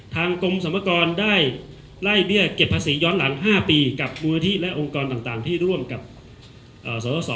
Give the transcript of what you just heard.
ทางกรมสรรพากรได้ไล่เบี้ยเก็บภาษีย้อนหลัง๕ปีกับมูลนิธิและองค์กรต่างที่ร่วมกับสส